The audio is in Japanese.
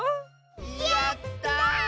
やった！